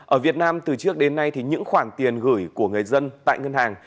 ở việt nam từ trước đến nay thì những khoản tiền gửi của người dân tại ngân hàng